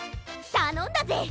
たのんだぜ！